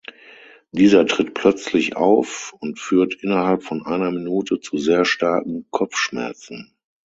Dieser tritt plötzlich auf und führt innerhalb von einer Minute zu sehr starken Kopfschmerzen.